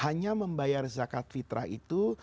hanya membayar zakat fitrah itu